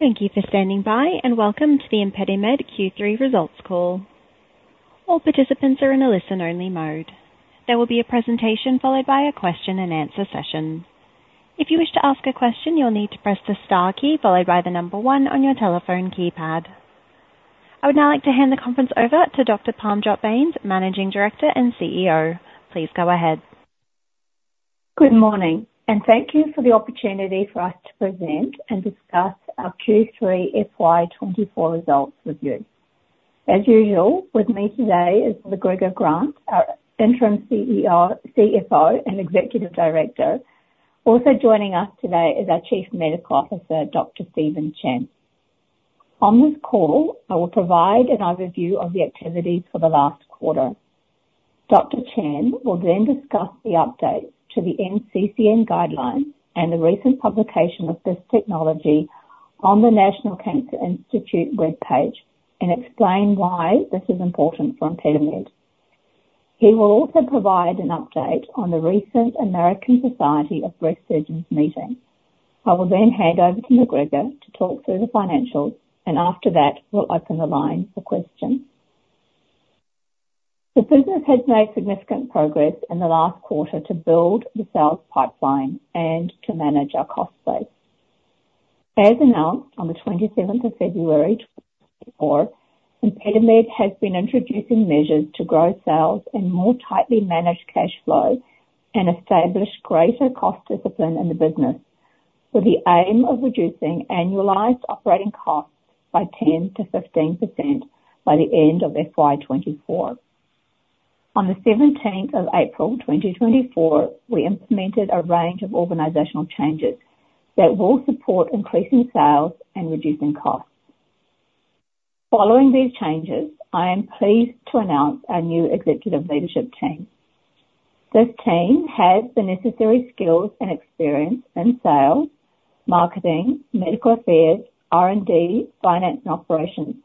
Thank you for standing by, and welcome to the ImpediMed Q3 results call. All participants are in a listen-only mode. There will be a presentation followed by a question and answer session. If you wish to ask a question, you'll need to press the star key followed by the number one on your telephone keypad. I would now like to hand the conference over to Dr. Parmjot Bains, Managing Director and CEO. Please go ahead. Good morning, and thank you for the opportunity for us to present and discuss our Q3 FY 2024 results with you. As usual, with me today is McGregor Grant, our Interim CEO-CFO, and Executive Director. Also joining us today is our Chief Medical Officer, Dr. Steven Chen. On this call, I will provide an overview of the activities for the last quarter. Dr. Chen will then discuss the update to the NCCN guidelines and the recent publication of this technology on the National Cancer Institute webpage and explain why this is important for ImpediMed. He will also provide an update on the recent American Society of Breast Surgeons meeting. I will then hand over to McGregor to talk through the financials, and after that, we'll open the line for questions. The business has made significant progress in the last quarter to build the sales pipeline and to manage our cost base. As announced on the 27th of February, 2024, ImpediMed has been introducing measures to grow sales and more tightly manage cash flow and establish greater cost discipline in the business, with the aim of reducing annualized operating costs by 10%-15% by the end of FY 2024. On the 17th of April, 2024, we implemented a range of organizational changes that will support increasing sales and reducing costs. Following these changes, I am pleased to announce our new executive leadership team. This team has the necessary skills and experience in sales, marketing, medical affairs, R&D, finance and operations,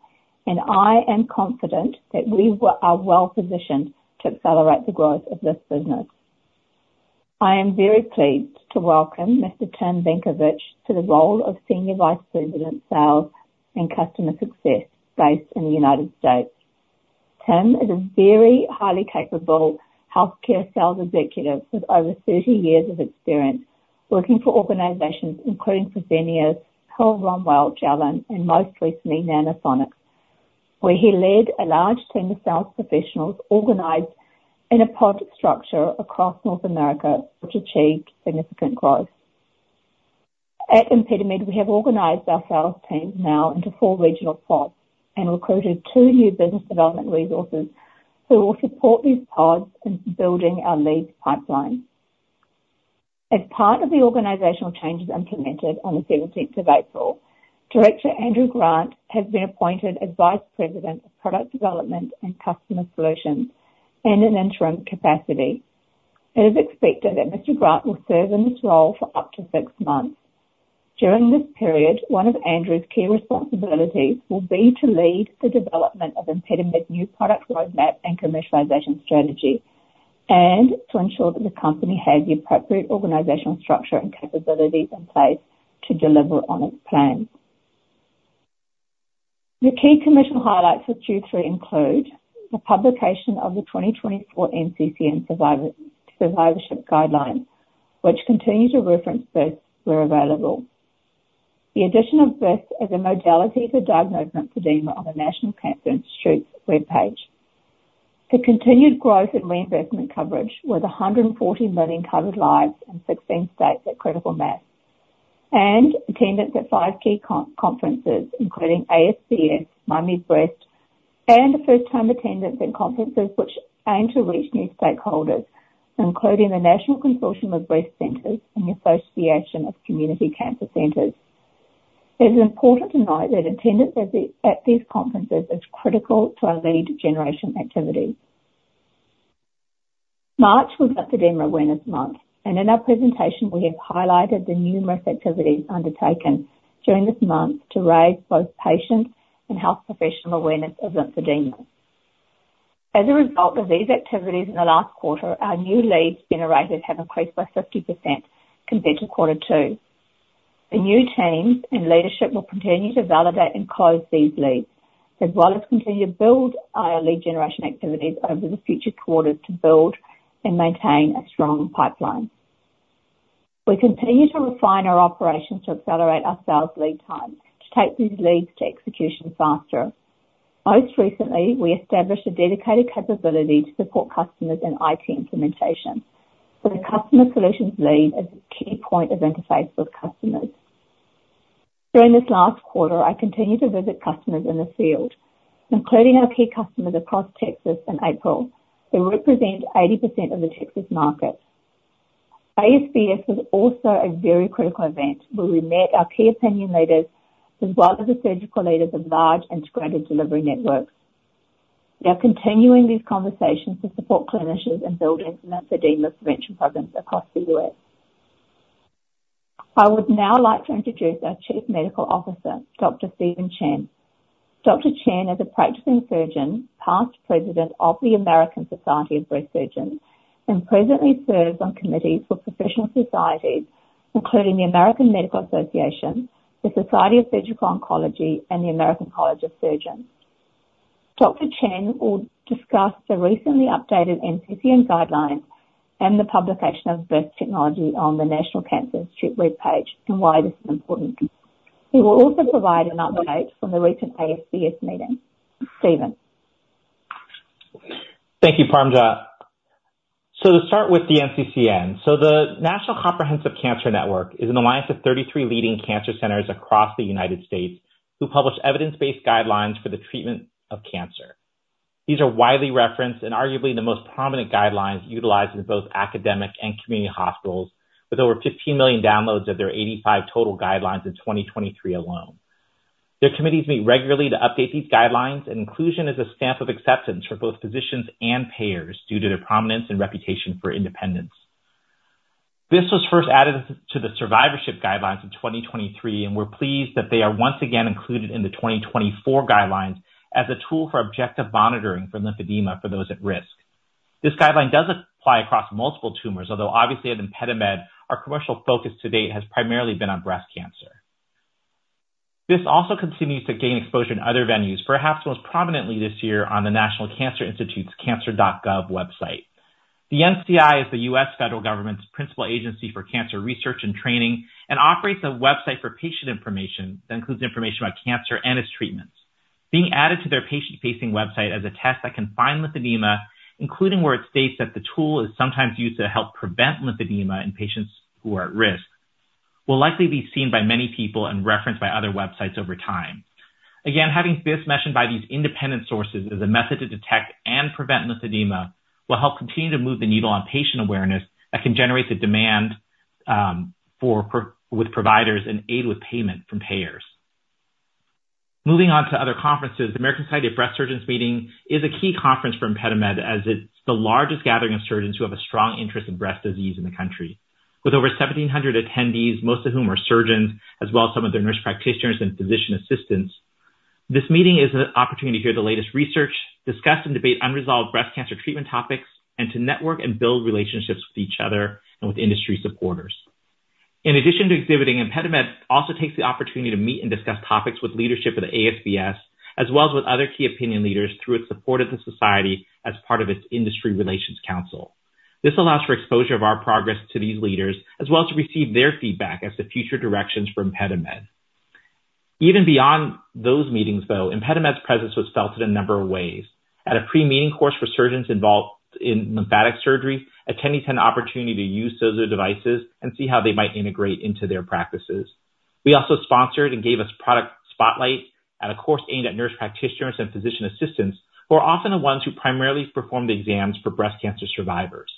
and I am confident that we are well positioned to accelerate the growth of this business. I am very pleased to welcome Mr. Tim Benkovic to the role of Senior Vice President, Sales and Customer Success, based in the United States. Tim is a very highly capable healthcare sales executive with over 30 years of experience working for organizations including Fresenius, Hill-Rom, Welch Allyn, and most recently, Nanosonics, where he led a large team of sales professionals organized in a pod structure across North America, which achieved significant growth. At ImpediMed, we have organized our sales teams now into four regional pods and recruited two new business development resources who will support these pods in building our leads pipeline. As part of the organizational changes implemented on the 17th of April, Director Andrew Grant has been appointed as Vice President of Product Development and Customer Solutions in an interim capacity. It is expected that Mr. Grant will serve in this role for up to six months. During this period, one of Andrew's key responsibilities will be to lead the development of ImpediMed's new product roadmap and commercialization strategy, and to ensure that the company has the appropriate organizational structure and capabilities in place to deliver on its plans. The key commercial highlights for Q3 include the publication of the 2024 NCCN Survivorship Guidelines, which continue to reference BIS where available. The addition of BIS as a modality for diagnosis of lymphedema on the National Cancer Institute's webpage. The continued growth in reimbursement coverage, with 140 million covered lives in 16 states at critical mass, and attendance at five key conferences, including ASBS, Miami Breast, and a first-time attendance at conferences which aim to reach new stakeholders, including the National Consortium of Breast Centers and the Association of Community Cancer Centers. It is important to note that attendance at these conferences is critical to our lead generation activities. March was Lymphedema Awareness Month, and in our presentation, we have highlighted the numerous activities undertaken during this month to raise both patient and health professional awareness of lymphedema. As a result of these activities in the last quarter, our new leads generated have increased by 50% compared to quarter two. The new teams and leadership will continue to validate and close these leads, as well as continue to build our lead generation activities over the future quarters to build and maintain a strong pipeline. We continue to refine our operations to accelerate our sales lead time to take these leads to execution faster. Most recently, we established a dedicated capability to support customers in IT implementation, with a customer solutions lead as the key point of interface with customers. During this last quarter, I continued to visit customers in the field, including our key customers across Texas in April. They represent 80% of the Texas market. ASBS was also a very critical event where we met our key opinion leaders, as well as the surgical leaders of large integrated delivery networks. We are continuing these conversations to support clinicians and build lymphedema prevention programs across the U.S. I would now like to introduce our Chief Medical Officer, Dr. Steven Chen. ...Dr. Chen is a practicing surgeon, past president of the American Society of Breast Surgeons, and presently serves on committees for professional societies, including the American Medical Association, the Society of Surgical Oncology, and the American College of Surgeons. Dr. Chen will discuss the recently updated NCCN guidelines and the publication of BIS technology on the National Cancer Institute webpage and why this is important. He will also provide an update from the recent ASBS meeting. Steven? Thank you, Parmjot. So to start with the NCCN, so the National Comprehensive Cancer Network is an alliance of 33 leading cancer centers across the United States, who publish evidence-based guidelines for the treatment of cancer. These are widely referenced, and arguably the most prominent guidelines utilized in both academic and community hospitals, with over 15 million downloads of their 85 total guidelines in 2023 alone. Their committees meet regularly to update these guidelines, and inclusion is a stamp of acceptance for both physicians and payers due to their prominence and reputation for independence. This was first added to the survivorship guidelines in 2023, and we're pleased that they are once again included in the 2024 guidelines as a tool for objective monitoring for lymphedema, for those at risk. This guideline does apply across multiple tumors, although obviously at ImpediMed, our commercial focus to date has primarily been on breast cancer. This also continues to gain exposure in other venues, perhaps most prominently this year on the National Cancer Institute's cancer.gov website. The NCI is the U.S. Federal Government's principal agency for cancer research and training, and operates a website for patient information that includes information about cancer and its treatments. Being added to their patient-facing website as a test that can find lymphedema, including where it states that the tool is sometimes used to help prevent lymphedema in patients who are at risk, will likely be seen by many people and referenced by other websites over time. Again, having this mentioned by these independent sources as a method to detect and prevent lymphedema, will help continue to move the needle on patient awareness that can generate the demand for providers and aid with payment from payers. Moving on to other conferences, the American Society of Breast Surgeons meeting is a key conference for ImpediMed, as it's the largest gathering of surgeons who have a strong interest in breast disease in the country. With over 1,700 attendees, most of whom are surgeons, as well as some of their nurse practitioners and physician assistants, this meeting is an opportunity to hear the latest research, discuss and debate unresolved breast cancer treatment topics, and to network and build relationships with each other and with industry supporters. In addition to exhibiting, ImpediMed also takes the opportunity to meet and discuss topics with leadership of the ASBS, as well as with other key opinion leaders through its support of the Society as part of its Industry Relations Council. This allows for exposure of our progress to these leaders, as well as to receive their feedback on the future directions for ImpediMed. Even beyond those meetings, though, ImpediMed's presence was felt in a number of ways. At a pre-meeting course for surgeons involved in lymphatic surgery, attendees had an opportunity to use those devices and see how they might integrate into their practices. We also sponsored and gave a product spotlight at a course aimed at nurse practitioners and physician assistants, who are often the ones who primarily perform the exams for breast cancer survivors.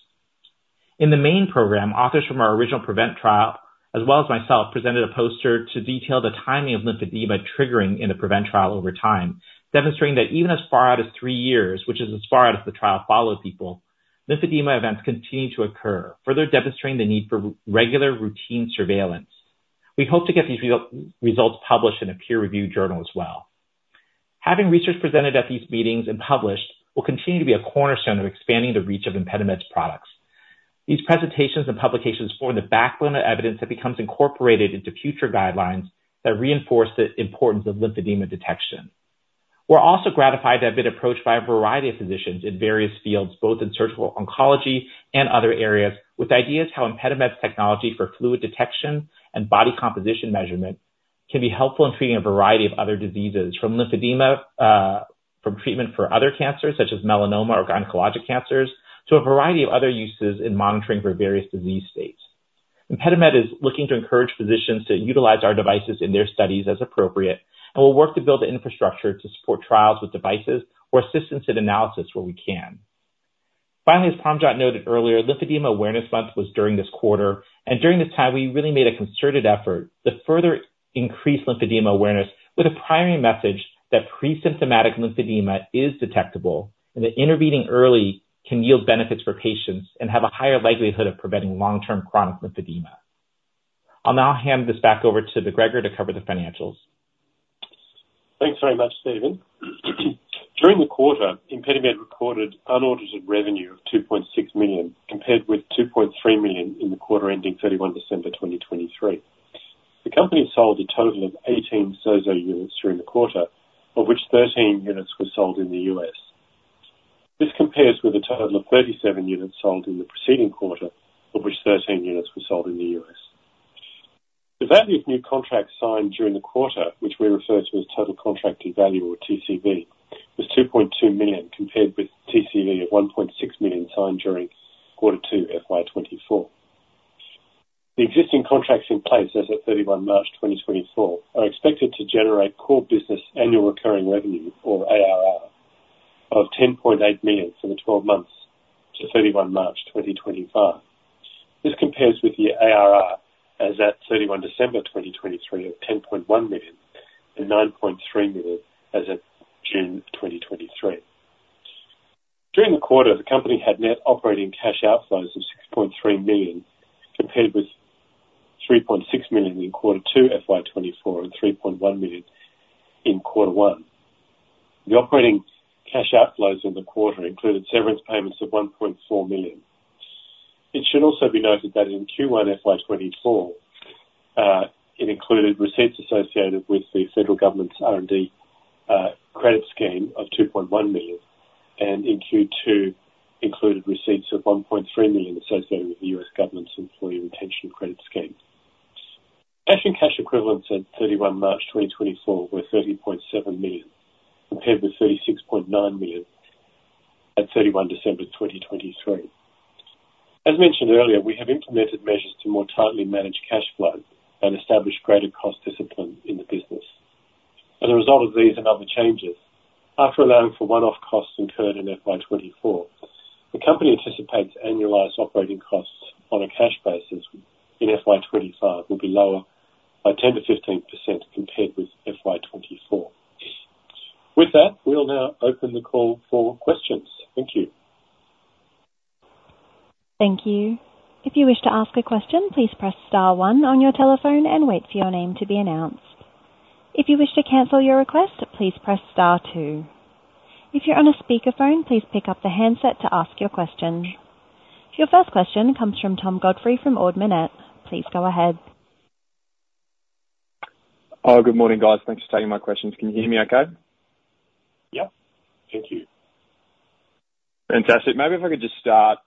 In the main program, authors from our original PREVENT trial, as well as myself, presented a poster to detail the timing of lymphedema triggering in the PREVENT trial over time, demonstrating that even as far out as three years, which is as far out as the trial followed people, lymphedema events continue to occur, further demonstrating the need for regular routine surveillance. We hope to get these results published in a peer-reviewed journal as well. Having research presented at these meetings and published will continue to be a cornerstone of expanding the reach of ImpediMed's products. These presentations and publications form the backbone of evidence that becomes incorporated into future guidelines that reinforce the importance of lymphedema detection. We're also gratified to have been approached by a variety of physicians in various fields, both in surgical oncology and other areas, with ideas how ImpediMed's technology for fluid detection and body composition measurement can be helpful in treating a variety of other diseases, from lymphedema, from treatment for other cancers, such as melanoma or gynecologic cancers, to a variety of other uses in monitoring for various disease states. ImpediMed is looking to encourage physicians to utilize our devices in their studies as appropriate, and we'll work to build the infrastructure to support trials with devices or assistance in analysis where we can. Finally, as Parmjot noted earlier, Lymphedema Awareness Month was during this quarter, and during this time, we really made a concerted effort to further increase lymphedema awareness with a primary message that pre-symptomatic lymphedema is detectable, and that intervening early can yield benefits for patients and have a higher likelihood of preventing long-term chronic lymphedema. I'll now hand this back over to McGregor to cover the financials. Thanks very much, Steven. During the quarter, ImpediMed recorded unaudited revenue of 2.6 million, compared with 2.3 million in the quarter ending 31 December 2023. The company sold a total of 18 SOZO units during the quarter, of which 13 units were sold in the U.S. This compares with a total of 37 units sold in the preceding quarter, of which 13 units were sold in the U.S. The value of new contracts signed during the quarter, which we refer to as total contract value or TCV, was 2.2 million, compared with TCV of 1.6 million signed during quarter two, FY 2024. The existing contracts in place as at 31 March 2024, are expected to generate core business annual recurring revenue, or ARR, of 10.8 million for the twelve months to 31 March 2025. This compares with the ARR as at 31 December 2023 of 10.1 million and 9.3 million as at June 2023. During the quarter, the company had net operating cash outflows of 6.3 million, compared with 3.6 million in quarter two, FY 2024, and 3.1 million in quarter one. The operating cash outflows in the quarter included severance payments of 1.4 million. It should also be noted that in Q1 FY 2024, it included receipts associated with the federal government's R&D credit scheme of 2.1 million, and in Q2, included receipts of 1.3 million associated with the U.S. government's employee retention credit scheme. Cash and cash equivalents at 31 March 2024 were 30.7 million, compared with 36.9 million at 31 December 2023. As mentioned earlier, we have implemented measures to more tightly manage cash flow and establish greater cost discipline in the business. As a result of these and other changes, after allowing for one-off costs incurred in FY 2024, the company anticipates annualized operating costs on a cash basis in FY 2025 will be lower by 10%-15% compared with FY 2024. With that, we will now open the call for questions. Thank you. Thank you. If you wish to ask a question, please press star one on your telephone and wait for your name to be announced. If you wish to cancel your request, please press star two. If you're on a speakerphone, please pick up the handset to ask your question. Your first question comes from Tom Godfrey from Ord Minnett. Please go ahead. Oh, good morning, guys. Thanks for taking my questions. Can you hear me okay? Yeah. Thank you. Fantastic. Maybe if I could just start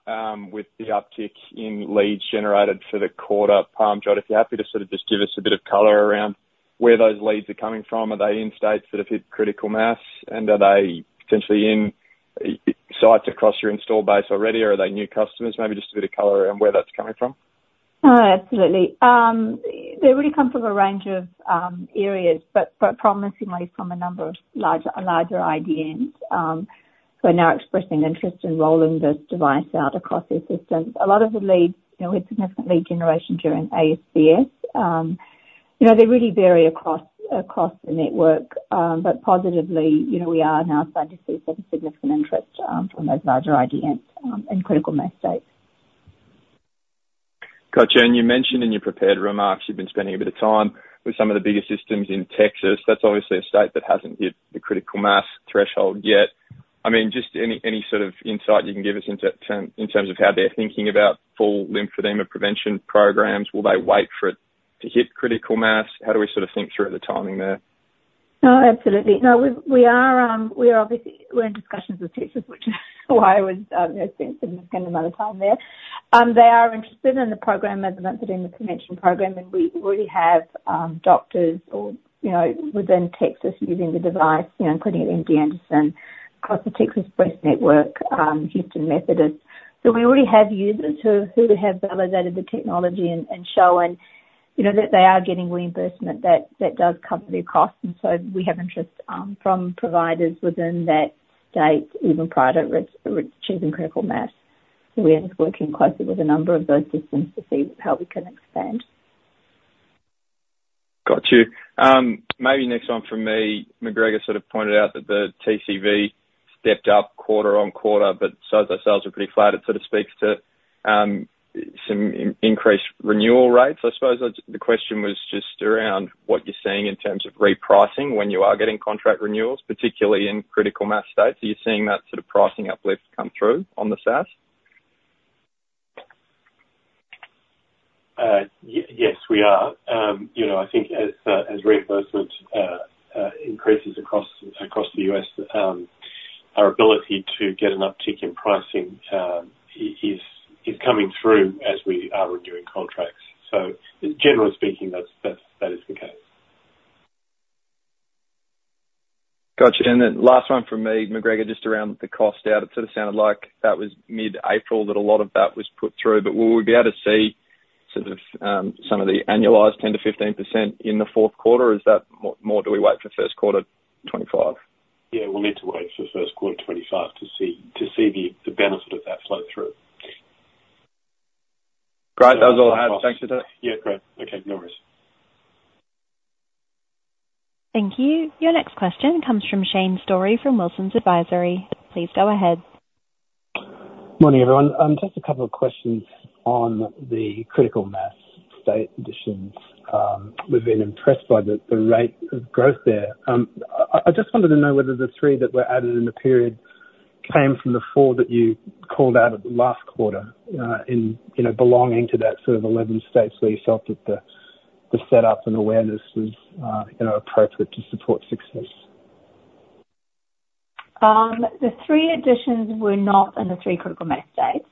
with the uptick in leads generated for the quarter. Parmjot, if you're happy to sort of just give us a bit of color around where those leads are coming from. Are they in states that have hit critical mass? And are they potentially in sites across your install base already, or are they new customers? Maybe just a bit of color around where that's coming from. Oh, absolutely. They really come from a range of areas, but promisingly from a number of larger IDNs, who are now expressing interest in rolling this device out across their systems. A lot of the leads, you know, we had significant lead generation during ASBS. You know, they really vary across the network, but positively, you know, we are now starting to see some significant interest from those larger IDNs, and critical mass states. Gotcha. And you mentioned in your prepared remarks, you've been spending a bit of time with some of the bigger systems in Texas. That's obviously a state that hasn't hit the critical mass threshold yet. I mean, just any sort of insight you can give us in terms of how they're thinking about full lymphedema prevention programs? Will they wait for it to hit critical mass? How do we sort of think through the timing there? Oh, absolutely. No, we are obviously we're in discussions with Texas, which is why I would, you know, spend significant amount of time there. They are interested in the program as a lymphedema prevention program, and we already have doctors or, you know, within Texas using the device, you know, including at MD Anderson, across the Texas Breast Network, Houston Methodist. So we already have users who have validated the technology and shown, you know, that they are getting reimbursement, that does cover their costs. And so we have interest from providers within that state, even prior to achieving critical mass. We're working closely with a number of those systems to see how we can expand. Got you. Maybe next one from me. McGregor sort of pointed out that the TCV stepped up quarter-over-quarter, but size of sales are pretty flat. It sort of speaks to some increased renewal rates. I suppose the question was just around what you're seeing in terms of repricing when you are getting contract renewals, particularly in critical mass states. Are you seeing that sort of pricing uplift come through on the SaaS? Yes, we are. You know, I think as reimbursement increases across the U.S., our ability to get an uptick in pricing is coming through as we are renewing contracts. So generally speaking, that's that is the case. Gotcha. And then last one from me, McGregor, just around the cost out. It sort of sounded like that was mid-April, that a lot of that was put through, but will we be able to see sort of, some of the annualized 10%-15% in the fourth quarter, or is that more, more do we wait for first quarter 2025? Yeah, we'll need to wait for first quarter 2025 to see the benefit of that flow through. Great. That was all I had. Thanks for today. Yeah, great. Okay, no worries. Thank you. Your next question comes from Shane Storey, from Wilsons Advisory. Please go ahead. Morning, everyone. Just a couple of questions on the critical mass state conditions. We've been impressed by the rate of growth there. I just wanted to know whether the three that were added in the period came from the four that you called out at the last quarter, in you know belonging to that sort of 11 states, where you felt that the setup and awareness was you know appropriate to support success. The three additions were not in the three critical mass states.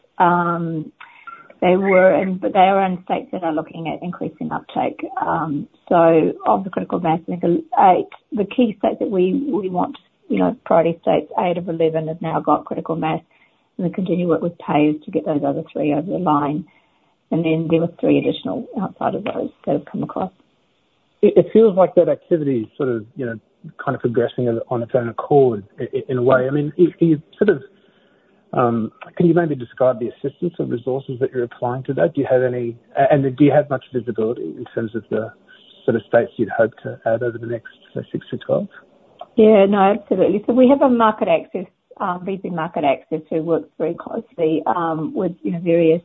They were in, but they are in states that are looking at increasing uptake. So of the critical mass, I think eight-- the key states that we, we want, you know, priority states ,eight out of 11 have now got critical mass, and we continue to work with payers to get those other three over the line. Then there were three additional outside of those that have come across. It feels like that activity is sort of, you know, kind of progressing on its own accord in a way. I mean, can you sort of, can you maybe describe the assistance or resources that you're applying to that? Do you have any... and do you have much visibility in terms of the... sort of states you'd hope to add over the next, say, six to twelve? Yeah. No, absolutely. So we have a market access VP market access, who works very closely with, you know, various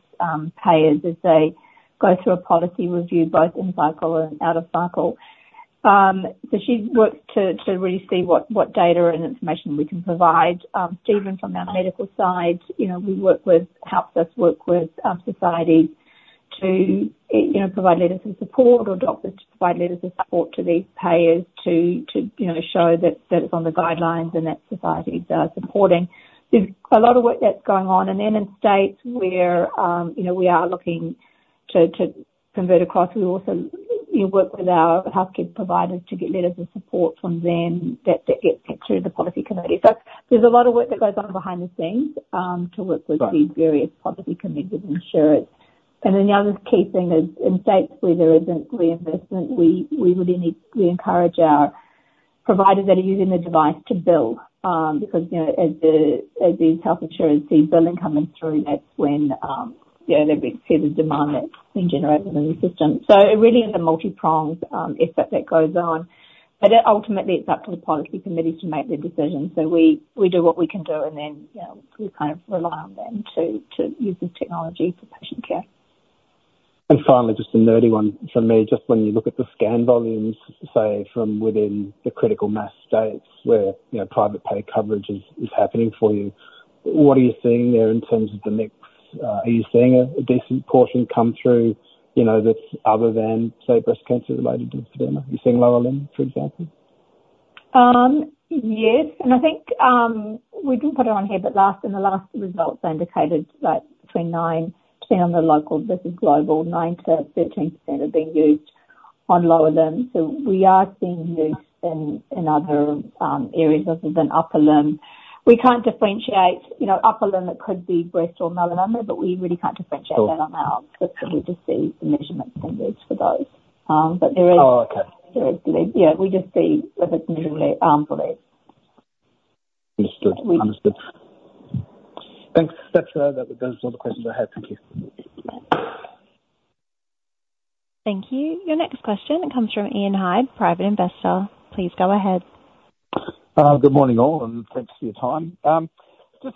payers as they go through a policy review, both in cycle and out of cycle. So she works to really see what data and information we can provide, even from our medical side. You know, we work with society to, you know, provide letters of support or doctors to provide letters of support to these payers to, you know, show that it's on the guidelines and that society is supporting. There's a lot of work that's going on. And then in states where, you know, we are looking to convert across, we also, you know, work with our health care providers to get letters of support from them that get through the policy committee. So there's a lot of work that goes on behind the scenes, to work with- Right. these various policy committees and insurers. Then the other key thing is, in states where there isn't reinvestment, we encourage our providers that are using the device to bill, because, you know, as these health insurance see billing coming through, that's when, you know, they see the demand that's been generated in the system. So it really is a multipronged effort that goes on, but it ultimately it's up to the policy committees to make the decision. So we do what we can do, and then, you know, we kind of rely on them to use the technology for patient care. Finally, just a nerdy one from me. Just when you look at the scan volumes, say, from within the critical mass states where, you know, private pay coverage is happening for you, what are you seeing there in terms of the mix? Are you seeing a decent portion come through, you know, that's other than, say, breast cancer-related lymphedema? Are you seeing lower limb, for example? Yes, and I think, we didn't put it on here, but last, in the last results, I indicated that between 9%-10% on the local, this is global, 9%-13% are being used on lower limbs. So we are seeing use in other areas other than upper limb. We can't differentiate, you know, upper limb, it could be breast or melanoma, but we really can't differentiate that on our- Sure. -because we just see the measurement standards for those. But there is- Oh, okay. There is the... Yeah, we just see if it's usually for these. Understood. Understood. Thanks. That's, that, those are all the questions I had. Thank you. Thank you. Your next question comes from Ian Hyde, private investor. Please go ahead. Good morning, all, and thanks for your time. Just,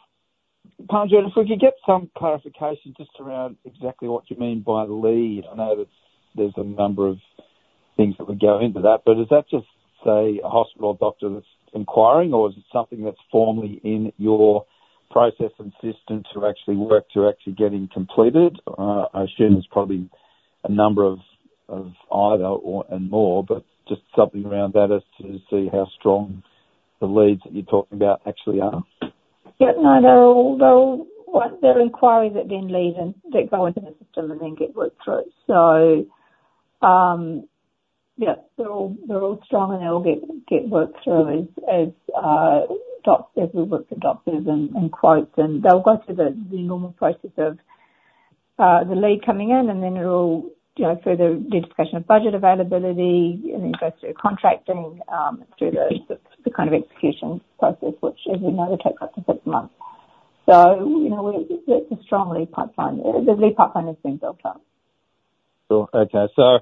Parmjot, if we could get some clarification just around exactly what you mean by lead. I know that there's a number of things that would go into that, but is that just, say, a hospital or doctor that's inquiring, or is it something that's formally in your process and system to actually work to actually getting completed? I assume there's probably a number of, of either or, and more, but just something around that as to see how strong the leads that you're talking about actually are. Yeah, no, they're all inquiries that then lead and that go into the system and then get worked through. So, yeah, they're all strong, and they all get worked through as we work with doctors and quotes, and they'll go through the normal process of the lead coming in, and then it'll, you know, further the discussion of budget availability, and then it goes through contracting through the kind of execution process, which, as you know, takes up to six months. So, you know, we're, it's a strong lead pipeline. The lead pipeline has been built up. Cool. Okay. So,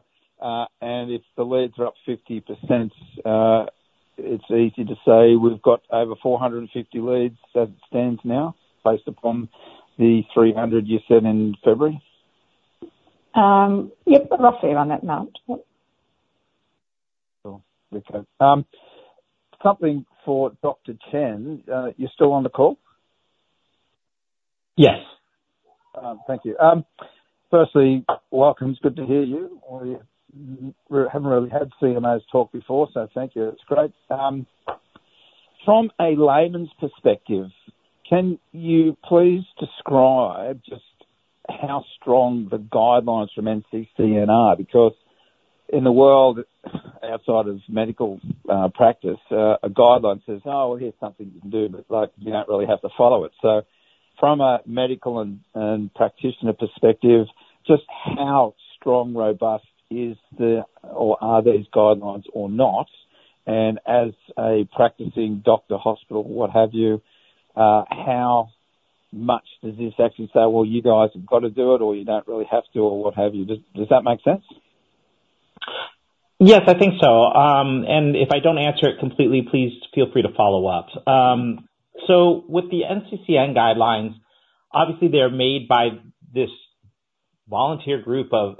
and if the leads are up 50%, it's easy to say we've got over 450 leads as it stands now, based upon the 300 you said in February? Yep, roughly around that amount. Yep. Cool. Okay. Something for Dr. Chen. You still on the call? Yes. Thank you. Firstly, welcome. It's good to hear you. We haven't really had CMOs talk before, so thank you. It's great. From a layman's perspective, can you please describe just how strong the guidelines from NCCN are? Because in the world, outside of medical practice, a guideline says, "Oh, here's something you can do," but, like, you don't really have to follow it. So from a medical and practitioner perspective, just how strong, robust is the... or are these guidelines or not? And as a practicing doctor, hospital, what have you, how much does this actually say, "Well, you guys have got to do it, or you don't really have to," or what have you? Does that make sense? Yes, I think so. And if I don't answer it completely, please feel free to follow up. So with the NCCN guidelines, obviously they are made by this volunteer group of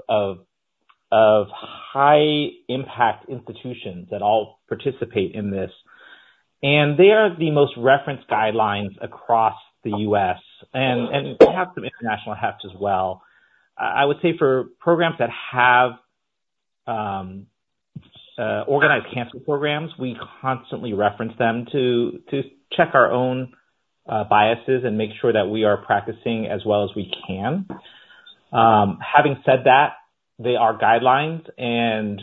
high impact institutions that all participate in this, and they are the most referenced guidelines across the US, and they have some international heft as well. I would say for programs that have organized cancer programs, we constantly reference them to check our own biases and make sure that we are practicing as well as we can. Having said that, they are guidelines and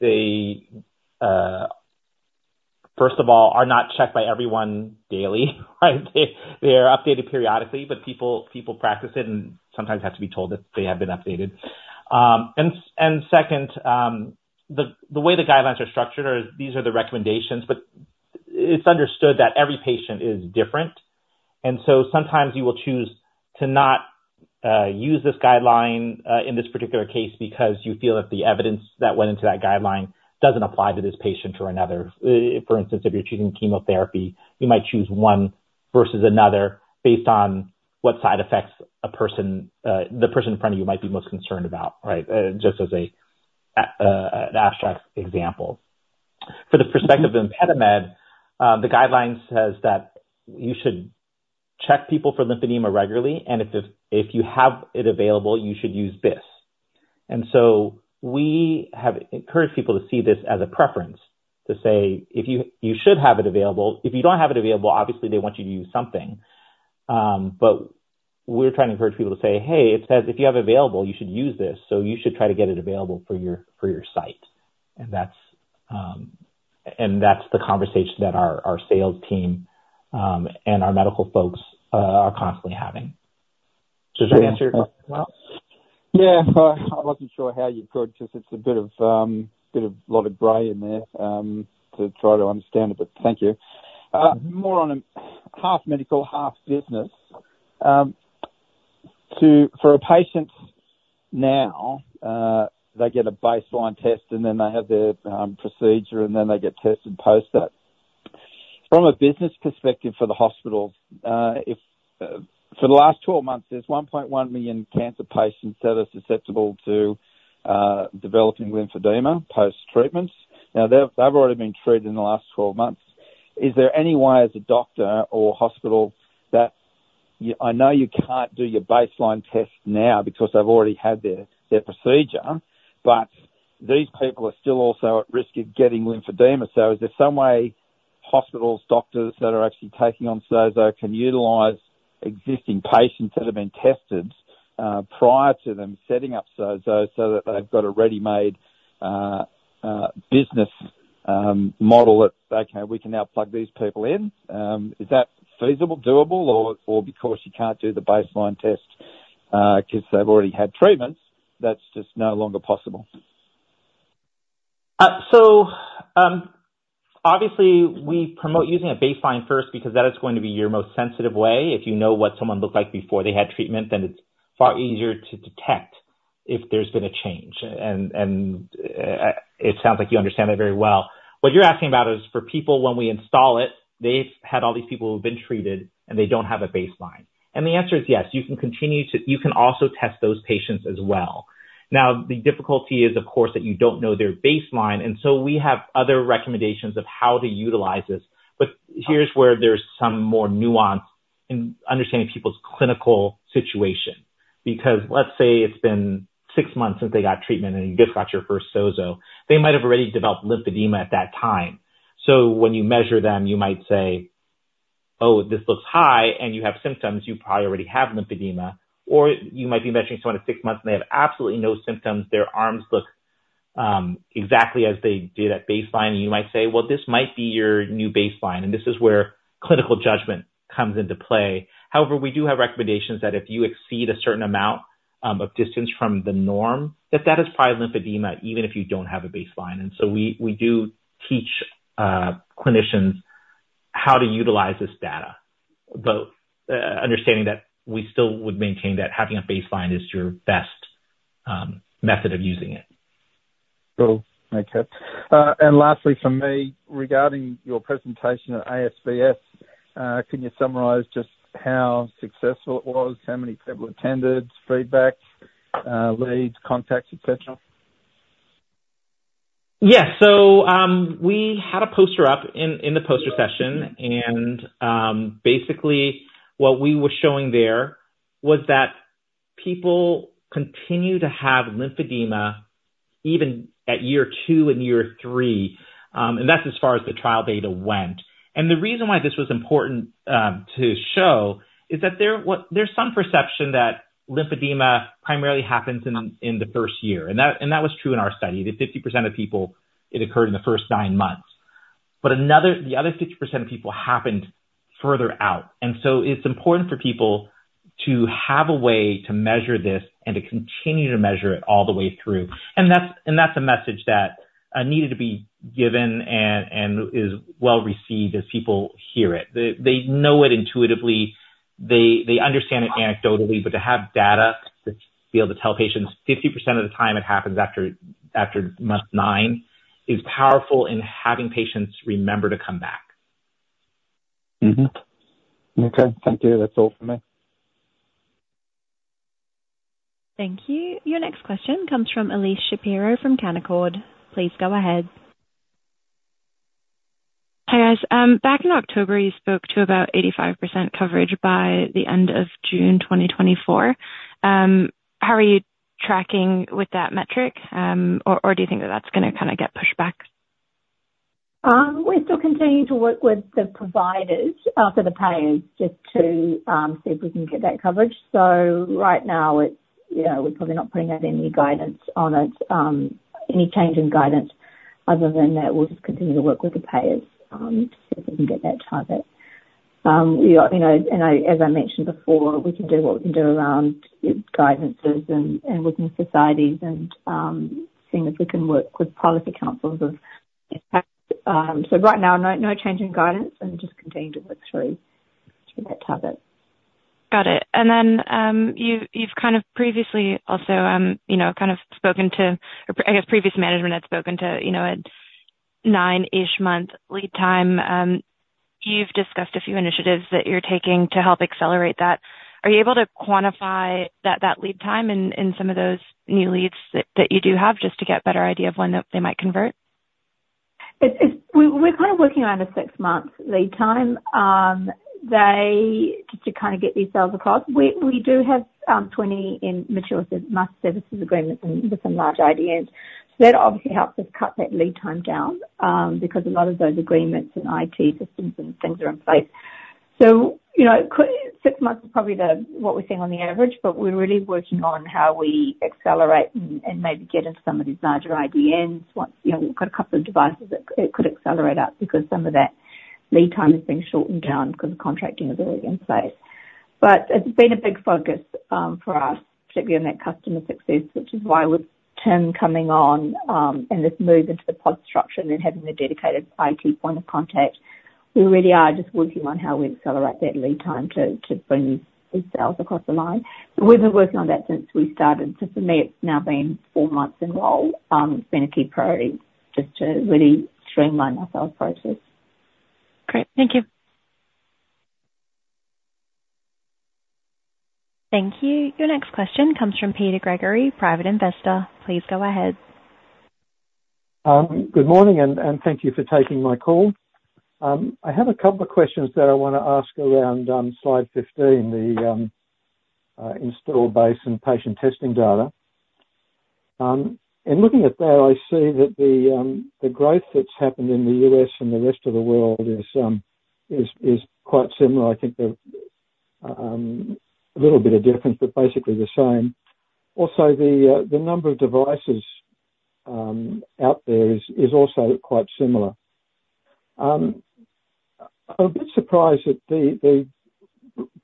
they first of all are not checked by everyone daily, right? They are updated periodically, but people practice it and sometimes have to be told that they have been updated. Second, the way the guidelines are structured, these are the recommendations, but it's understood that every patient is different, and so sometimes you will choose to not use this guideline in this particular case, because you feel that the evidence that went into that guideline doesn't apply to this patient or another. For instance, if you're choosing chemotherapy, you might choose one versus another based on what side effects the person in front of you might be most concerned about, right? Just as an abstract example. For the perspective of ImpediMed, the guideline says that you should check people for lymphedema regularly, and if you have it available, you should use this. And so we have encouraged people to see this as a preference, to say, if you should have it available. If you don't have it available, obviously they want you to use something. But we're trying to encourage people to say, "Hey, it says if you have it available, you should use this," so you should try to get it available for your site. And that's the conversation that our sales team and our medical folks are constantly having. Does that answer it well? Yeah. I wasn't sure how you could, because it's a bit of a lot of gray in there to try to understand it, but thank you. More on a half medical, half business. For a patient now, they get a baseline test, and then they have their procedure, and then they get tested post that. From a business perspective for the hospital, for the last 12 months, there's 1.1 million cancer patients that are susceptible to developing lymphedema post-treatments. Now, they've already been treated in the last 12 months. Is there any way, as a doctor or hospital, that—I know you can't do your baseline test now because they've already had their procedure, but these people are still also at risk of getting lymphedema. So is there some way hospitals, doctors that are actually taking on SOZO can utilize existing patients that have been tested prior to them setting up SOZO so that they've got a ready-made business model, that okay, we can now plug these people in? Is that feasible, doable, or because you can't do the baseline test 'cause they've already had treatments, that's just no longer possible? So, obviously we promote using a baseline first, because that is going to be your most sensitive way. If you know what someone looked like before they had treatment, then it's far easier to detect if there's been a change. And it sounds like you understand that very well. What you're asking about is for people, when we install it, they've had all these people who have been treated, and they don't have a baseline. And the answer is yes, you can continue to, you can also test those patients as well. Now, the difficulty is, of course, that you don't know their baseline, and so we have other recommendations of how to utilize this. But here's where there's some more nuance in understanding people's clinical situation, because let's say it's been six months since they got treatment and you just got your first SOZO, they might have already developed lymphedema at that time. So when you measure them, you might say, "Oh, this looks high, and you have symptoms, you probably already have lymphedema." Or you might be measuring someone at six months, and they have absolutely no symptoms. Their arms look exactly as they did at baseline. You might say, "Well, this might be your new baseline," and this is where clinical judgment comes into play. However, we do have recommendations that if you exceed a certain amount of distance from the norm, that that is probably lymphedema, even if you don't have a baseline. And so we, we do teach clinicians how to utilize this data, but understanding that we still would maintain that having a baseline is your best method of using it. Cool. Okay. And lastly from me, regarding your presentation at ASBS, can you summarize just how successful it was? How many people attended, feedback, leads, contacts, et cetera? Yeah. So, we had a poster up in the poster session, and basically, what we were showing there was that people continue to have lymphedema even at year two and year three and that's as far as the trial data went. The reason why this was important to show is that there's some perception that lymphedema primarily happens in the first year. And that was true in our study, that 50% of people, it occurred in the first 9 months. But the other 60% of people happened further out. So it's important for people to have a way to measure this and to continue to measure it all the way through. And that's a message that needed to be given and is well received as people hear it. They know it intuitively, they understand it anecdotally, but to have data, to be able to tell patients 50% of the time it happens after month nine, is powerful in having patients remember to come back. Mm-hmm. Okay, thank you. That's all for me. Thank you. Your next question comes from Elyse Shapiro from Canaccord. Please go ahead. Hi, guys. Back in October, you spoke to about 85% coverage by the end of June 2024. How are you tracking with that metric? Or, or do you think that that's gonna kind of get pushed back? We're still continuing to work with the providers for the payers, just to see if we can get that coverage. So right now it's, you know, we're probably not putting out any guidance on it, any change in guidance, other than that we'll just continue to work with the payers, to see if we can get that target. We are, you know, and I, as I mentioned before, we can do what we can do around guidances and, and working with societies and, seeing if we can work with policy councils of impact. So right now, no, no change in guidance and just continuing to work through to that target. Got it. And then, you've kind of previously also, you know, kind of spoken to, or I guess previous management had spoken to, you know, a nine-ish month lead time. You've discussed a few initiatives that you're taking to help accelerate that. Are you able to quantify that lead time in some of those new leads that you do have, just to get a better idea of when they might convert? It's... We're kind of working on a six-month lead time. They just to kind of get these sales across, we do have 20 mature managed services agreements with some large IDNs. So that obviously helps us cut that lead time down, because a lot of those agreements and IT systems and things are in place. So, you know, six months is probably what we're seeing on the average, but we're really working on how we accelerate and maybe get into some of these larger IDNs. Once, you know, we've got a couple of devices that could accelerate up because some of that lead time has been shortened down because the contracting is already in place. It's been a big focus for us, particularly on that customer success, which is why with Tim coming on and this move into the pod structure and then having the dedicated IT point of contact, we really are just working on how we accelerate that lead time to bring these sales across the line. We've been working on that since we started. For me, it's now been four months enrolled. It's been a key priority just to really streamline our sales process. Great. Thank you. Thank you. Your next question comes from Peter Gregory, private investor. Please go ahead. Good morning, and thank you for taking my call. I have a couple of questions that I want to ask around slide 15, the installed base and patient testing data. In looking at that, I see that the growth that's happened in the U.S. and the rest of the world is quite similar. I think there's a little bit of difference, but basically the same. Also, the number of devices out there is also quite similar. I'm a bit surprised that the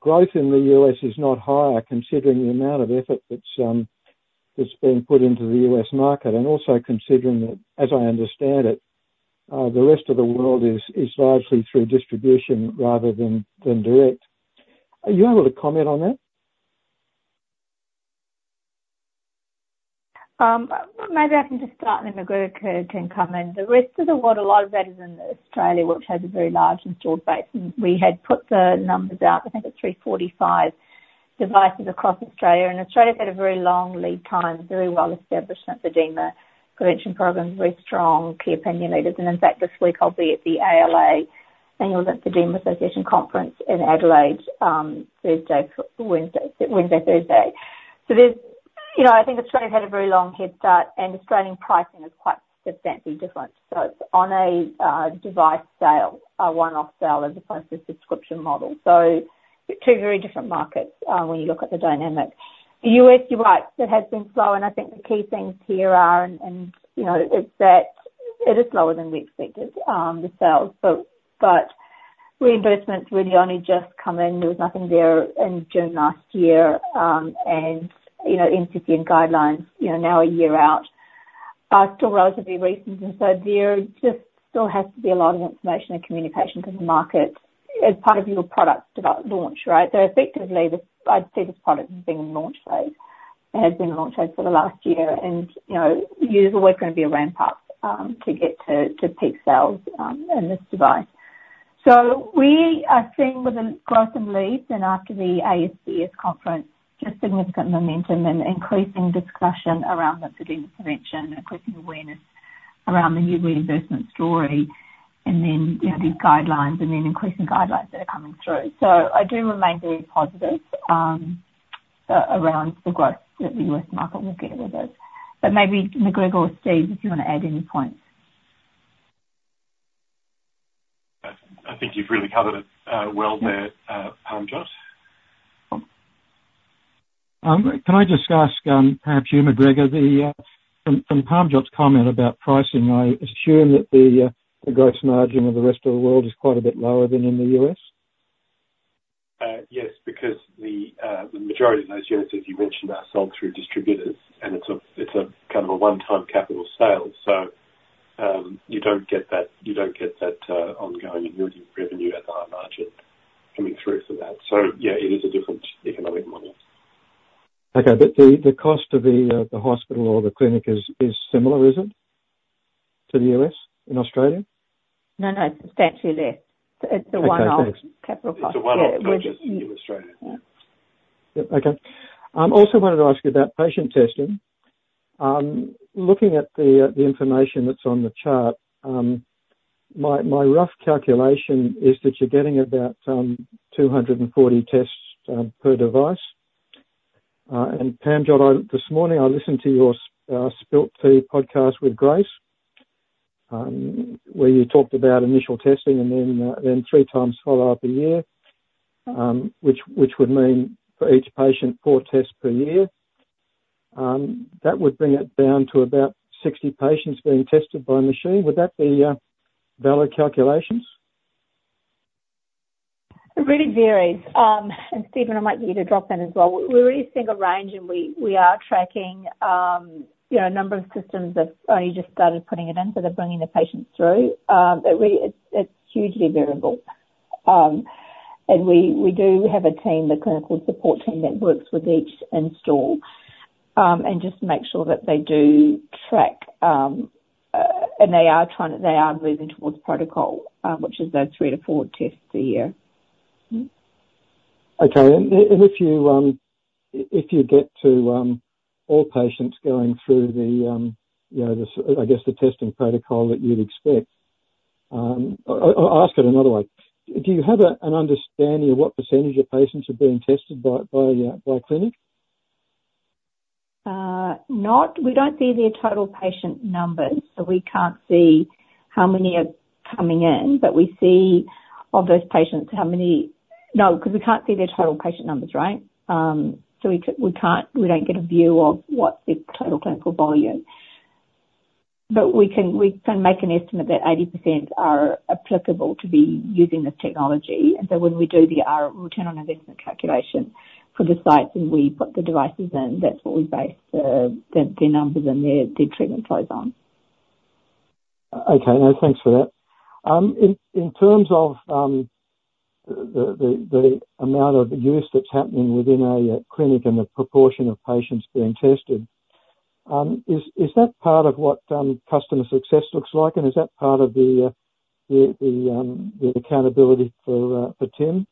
growth in the US is not higher, considering the amount of effort that's been put into the U.S. market, and also considering that, as I understand it, the rest of the world is largely through distribution rather than direct. Are you able to comment on that? Maybe I can just start, and then McGregor can come in. The rest of the world, a lot of that is in Australia, which has a very large installed base, and we had put the numbers out, I think it's 345 devices across Australia, and Australia's had a very long lead time, very well established at the lymphedema prevention programs, very strong key opinion leaders. And in fact, this week I'll be at the ALA Annual Lymphoedema Association Conference in Adelaide, Thursday, Wednesday, Wednesday, Thursday. So there's, you know, I think Australia had a very long head start, and Australian pricing is quite substantially different. So it's on a, device sale, a one-off sale, as opposed to a subscription model. So two very different markets, when you look at the dynamics. The U.S., you're right, it has been slow, and I think the key things here are, and, and, you know, is that it is slower than we expected, the sales. But, but reimbursements really only just come in. There was nothing there in June last year. And, you know, NCCN guidelines, you know, now a year out, are still relatively recent. And so there just still has to be a lot of information and communication to the market as part of your product develop- launch, right? So effectively, this- I'd say this product is being in launch phase. It has been in launch phase for the last year, and, you know, there's always going to be a ramp up, to get to, to peak sales, in this device. So we are seeing with the growth in leads and after the ASBS conference, just significant momentum and increasing discussion around the edema prevention, increasing awareness around the new reimbursement story, and then, you know, these guidelines and then increasing guidelines that are coming through. So I do remain very positive around the growth that the U.S. market will get with this. But maybe McGregor or Steve, if you want to add any points. I think you've really covered it well there, Parmjot. Can I just ask, perhaps you, McGregor, from Parmjot's comment about pricing, I assume that the gross margin of the rest of the world is quite a bit lower than in the U.S.? Yes, because the majority of those units, as you mentioned, are sold through distributors, and it's a kind of a one-time capital sale, so you don't get that, you don't get that ongoing annuity revenue at the high margin coming through for that. So yeah, it is a different economic model. Okay. But the cost of the hospital or the clinic is similar, is it? To the U.S., in Australia? No, no, substantially less. It's a one-off- Okay, thanks. -capital cost. It's a one-off purchase in Australia. Yeah. Yep, okay. Also wanted to ask you about patient testing. Looking at the information that's on the chart, my rough calculation is that you're getting about 240 tests per device. And Parmjot, this morning I listened to your Spilt Tea podcast with Grace, where you talked about initial testing and then three times follow up a year, which would mean for each patient, four tests per year, that would bring it down to about 60 patients being tested by a machine. Would that be valid calculations? It really varies. And Steven, I might need you to drop in as well. We really think a range, and we are tracking, you know, a number of systems have only just started putting it in, so they're bringing the patients through. But it's hugely variable. And we do have a team, the clinical support team, that works with each install, and just to make sure that they do track, and they are moving towards protocol, which is their three to four tests a year. Mm-hmm. Okay. And, and if you, if you get to, all patients going through the, you know, the testing protocol that you'd expect... I'll, I'll ask it another way. Do you have a, an understanding of what percentage of patients are being tested by, by, by a clinic? We don't see their total patient numbers, so we can't see how many are coming in, but we see of those patients, how many - No, because we can't see their total patient numbers, right? So we can't, we don't get a view of what the total clinical volume is. But we can, we can make an estimate that 80% are applicable to be using this technology. And so when we do the return on investment calculation for the sites, and we put the devices in, that's what we base the numbers and the treatment flows on. Okay. No, thanks for that. In terms of the amount of use that's happening within a clinic and the proportion of patients being tested, is that part of what customer success looks like? And is that part of the accountability for Tim?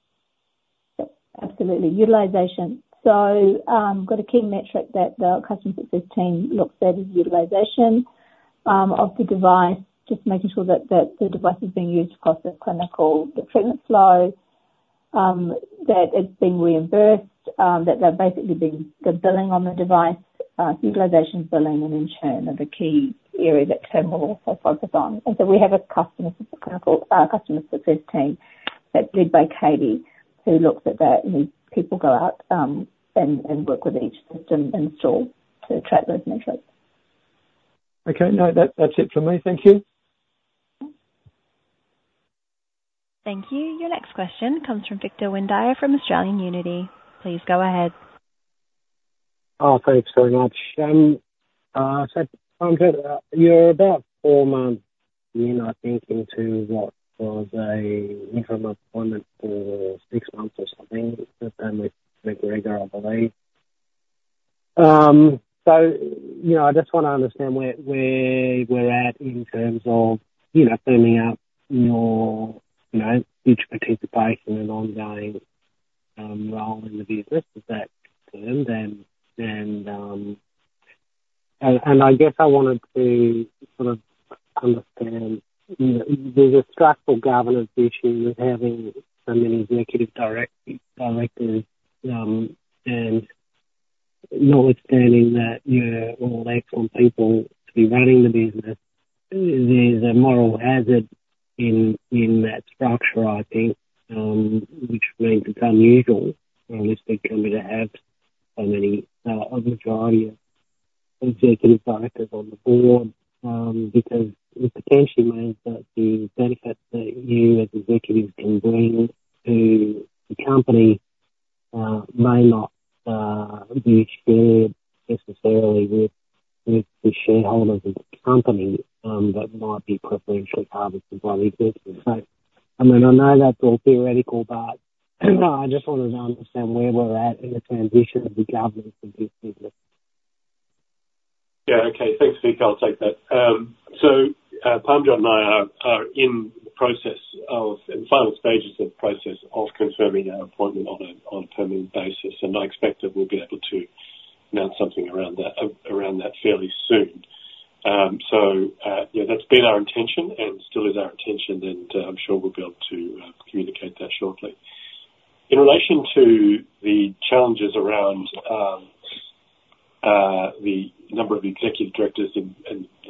Yep, absolutely. Utilization. So, got a key metric that the customer success team looks at, is utilization of the device, just making sure that, that the device is being used across the clinical, the treatment flow, that it's being reimbursed, that they're basically being the billing on the device, utilization, billing, and then churn are the key areas that Tim will also focus on. And so we have a customer success, customer success team that's led by Katie, who looks at that, and these people go out, and, and work with each system install to track those metrics. Okay. No, that, that's it for me. Thank you. Thank you. Your next question comes from Victor Windeyer from Australian Unity. Please go ahead. Oh, thanks very much. So Parmjot, you're about four months in, I think, into what was an interim appointment for six months or something, with McGregor, I believe. So, you know, I just want to understand where we're at in terms of, you know, firming up your, you know, equity participation and ongoing role in the business. Is that a concern? I guess I wanted to sort of understand, you know, there's a structural governance issue with having so many executive directors, and notwithstanding that you're all expected to be running the business, there's a moral hazard in that structure, I think, which means it's unusual from this perspective to have so many, a majority of executive directors on the board, because it potentially means that the benefit that you, as executives, can bring to the company, may not be experienced necessarily with the shareholders of the company, that might be preferentially harvested by the business. So, I mean, I know that's all theoretical, but I just wanted to understand where we're at in the transition of the governance of this business. Yeah. Okay. Thanks, Victor. I'll take that. So, Parmjot Bains and I are in the process of... in the final stages of the process of confirming our appointment on a permanent basis, and I expect that we'll be able to announce something around that around that fairly soon. So, yeah, that's been our intention and still is our intention, and I'm sure we'll be able to communicate that shortly. In relation to the challenges around the number of executive directors and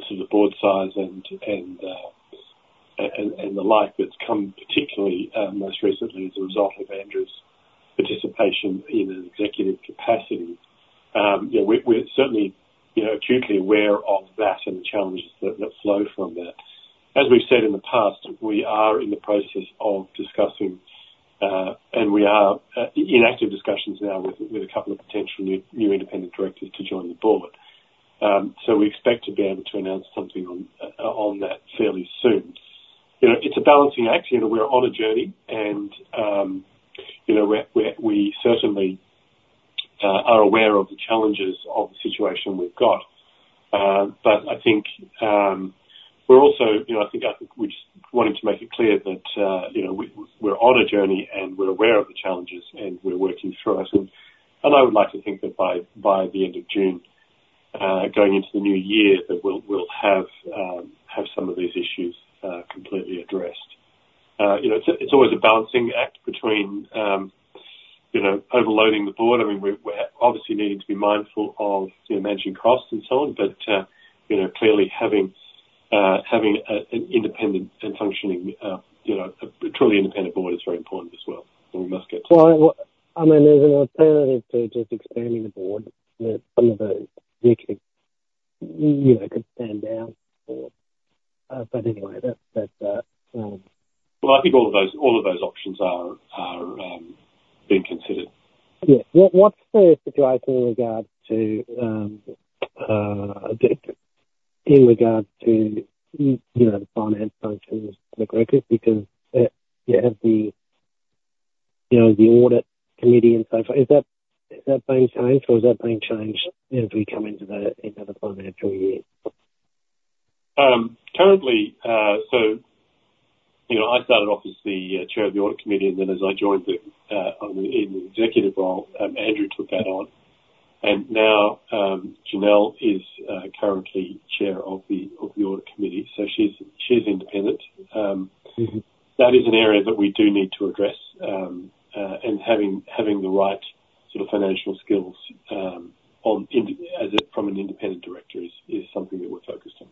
sort of the board size and the like, that's come particularly most recently as a result of Andrew's participation in an executive capacity. Yeah, we're certainly, you know, acutely aware of that and the challenges that flow from that. As we've said in the past, we are in the process of discussing, and we are in active discussions now with a couple of potential new independent directors to join the board. So we expect to be able to announce something on that fairly soon. You know, it's a balancing act. You know, we're on a journey, and you know, we're certainly aware of the challenges of the situation we've got. But I think, we're also, you know, I think we just wanted to make it clear that you know, we, we're on a journey, and we're aware of the challenges, and we're working through it. I would like to think that by the end of June, going into the new year, that we'll have some of these issues completely addressed. You know, it's always a balancing act between you know, overloading the board. I mean, we're obviously needing to be mindful of you know, managing costs and so on, but you know, clearly having an independent and functioning you know, a truly independent board is very important as well, and we must get to it. Well, I mean, there's an alternative to just expanding the board, that some of the executive, you know, could stand down or... But anyway, Well, I think all of those options are being considered. Yeah. What's the situation in regard to, in regard to, you know, the finance functions of the group? Because, you have the, you know, the audit committee and so forth. Is that, is that being changed, or is that being changed as we come into the end of the financial year? Currently, so, you know, I started off as the chair of the audit committee, and then as I joined in the executive role, Andrew took that on. And now, Janelle is currently chair of the audit committee, so she's independent. Mm-hmm. That is an area that we do need to address, and having the right sort of financial skills from an independent director is something that we're focused on.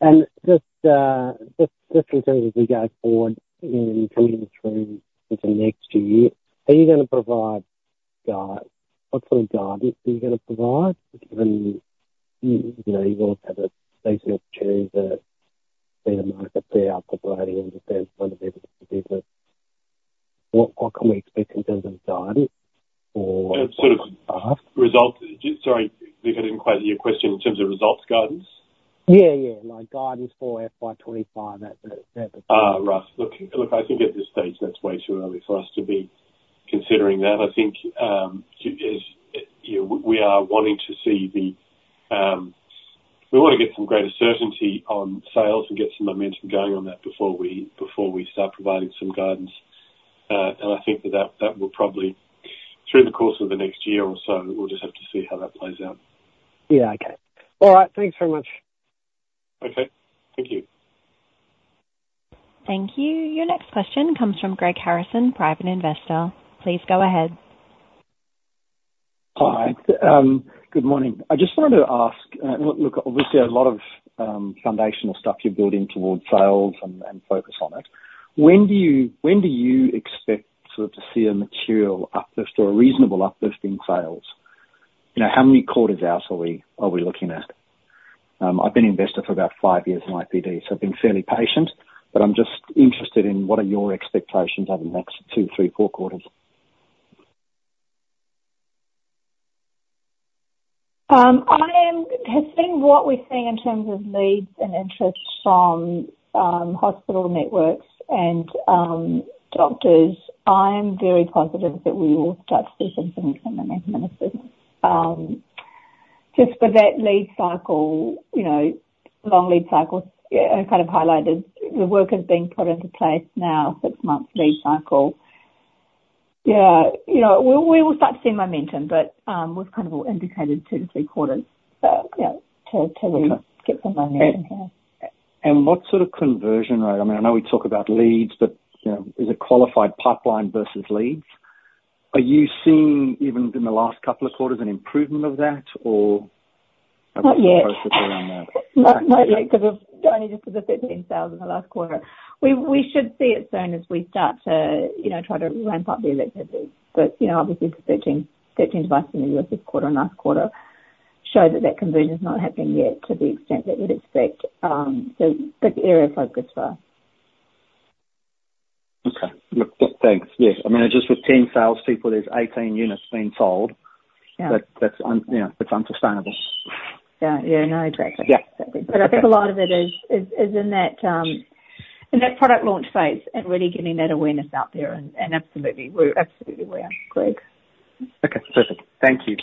Yeah. And just in terms as we go forward in coming through into next year, are you gonna provide what sort of guidance are you gonna provide? Given you know, you want to have a decent opportunity to see the market play out before anybody. What can we expect in terms of guidance or- It's sort of results. Sorry, if I didn't quite hear your question, in terms of results guidance? Yeah, yeah, like guidance for FY 2025 at the, at the- Ah, right. Look, look, I think at this stage, that's way too early for us to be considering that. I think, as you know, we are wanting to see the... We want to get some greater certainty on sales and get some momentum going on that before we, before we start providing some guidance. And I think that will probably through the course of the next year or so, we'll just have to see how that plays out. Yeah. Okay. All right, thanks very much. Okay, thank you. Thank you. Your next question comes from Greg Harrison, private investor. Please go ahead. Hi. Good morning. I just wanted to ask, look, look, obviously a lot of foundational stuff you're building towards sales and focus on it. When do you expect sort of to see a material uplift or a reasonable uplift in sales? You know, how many quarters out are we looking at? I've been an investor for about five years in IPD, so I've been fairly patient, but I'm just interested in what your expectations are over the next two, three, four quarters. Having seen what we're seeing in terms of leads and interest from hospital networks and doctors, I'm very positive that we will start to see something from the next quarters. Just for that lead cycle, you know, long lead cycle kind of highlighted, the work has been put into place now, six months lead cycle. Yeah, you know, we will start to see momentum, but we've kind of all indicated two to three quarters, yeah, to get some momentum here. What sort of conversion rate? I mean, I know we talk about leads, but, you know, is it qualified pipeline versus leads? Are you seeing, even in the last couple of quarters, an improvement of that, or- Not yet. Around that. Not yet, because of only just the 15 sales in the last quarter. We should see it soon as we start to, you know, try to ramp up the velocity. But, you know, obviously searching devices in the U.S. this quarter and last quarter show that that conversion is not happening yet to the extent that you'd expect, so big area of focus for us. Okay. Look, look, thanks. Yes. I mean, just with 10 salespeople, there's 18 units being sold- Yeah. You know, it's unsustainable. Yeah. Yeah, not, exactly. Yeah. But I think a lot of it is in that product launch phase and really getting that awareness out there, and absolutely, we're absolutely aware, Greg. Okay, perfect. Thank you.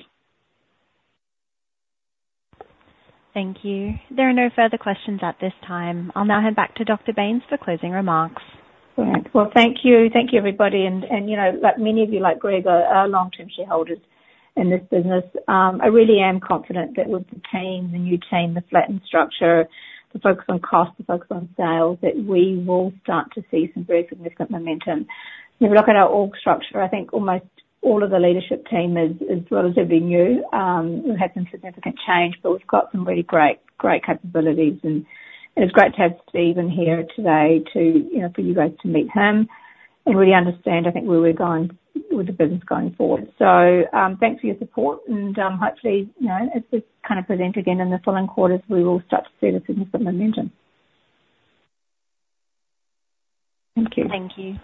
Thank you. There are no further questions at this time. I'll now hand back to Dr. Bains for closing remarks. All right. Well, thank you. Thank you, everybody, and you know, like many of you, like Greg, are long-term shareholders in this business. I really am confident that with the team, the new team, the flattened structure, the focus on cost, the focus on sales, that we will start to see some very significant momentum. If you look at our org structure, I think almost all of the leadership team is relatively new. We've had some significant change, but we've got some really great, great capabilities, and it's great to have Steven here today to, you know, for you guys to meet him and really understand, I think, where we're going with the business going forward. So, thanks for your support and, hopefully, you know, as we kind of present again in the following quarters, we will start to see the significant momentum. Thank you. Thank you.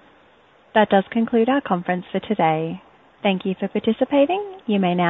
That does conclude our conference for today. Thank you for participating. You may now disconnect.